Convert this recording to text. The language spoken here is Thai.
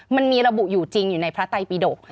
มันมีระบุอยู่จริงอยู่ในพระไตปิดก